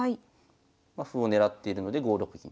歩をねらっているので５六銀。